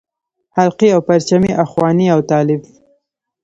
خلقي او پرچمي اخواني او طالب.